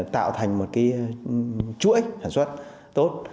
tạo thành một chuỗi sản xuất tốt